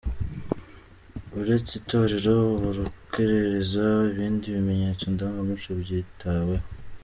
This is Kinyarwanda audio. Uretse Itorero Urukerereza, ibindi bimenyetso ndangamuco byitaweho.